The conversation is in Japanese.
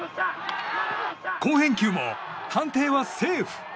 好返球も判定はセーフ。